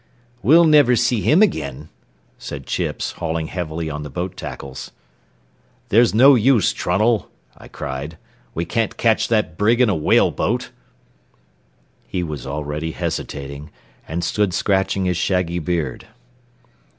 "We'll niver see him agin," said Chips, hauling heavily on the boat tackles. "There's no use, Trunnell," I cried; "we can't catch that brig in a whale boat." He was already hesitating, and stood scratching his shaggy beard.